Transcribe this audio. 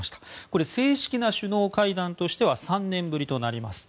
これ、正式な首脳会談としては３年ぶりとなります。